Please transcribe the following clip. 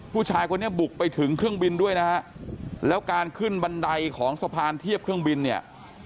ผู้ชายคนนี้บุกไปถึงเครื่องบินด้วยนะฮะแล้วการขึ้นบันไดของสะพานเทียบเครื่องบินเนี่ย